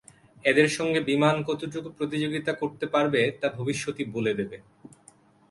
এদের সঙ্গে বিমান কতটুকু প্রতিযোগিতা করতে পারবে, তা ভবিষ্যৎই বলে দেবে।